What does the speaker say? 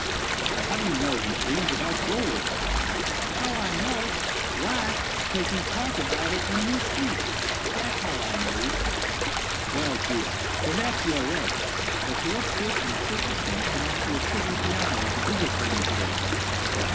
"But how do you know he dreams about gold?" "How I know? why 'cause he talk about it in he sleep—dat's how I nose." "Well, Jup, perhaps you are right; but to what fortunate circumstance am I to attribute the honor of a visit from you to day?"